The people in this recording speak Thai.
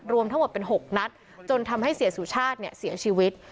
รวมทั้งหมดเป็น๖นัดจนทำให้เสียสุชาติเนี่ยเสียชีวิต